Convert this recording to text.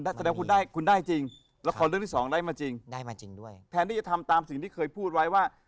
จำเป็นคุณได้จริงละครเรื่องที่๒ได้มาจริงแท้นที่จะทำตามอย่างที่เคยพูดไว้ว่า